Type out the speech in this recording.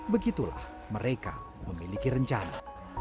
begitulah mereka memiliki rencana